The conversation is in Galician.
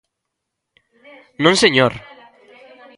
¡Non, señor!